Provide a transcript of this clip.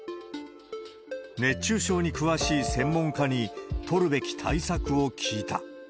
熱中症に詳しい専門家に、取るべき対策を聞いた。